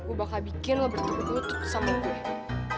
gue bakal bikin lo bertukar tukar sama gue